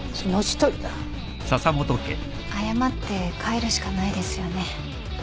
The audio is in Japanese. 謝って帰るしかないですよね。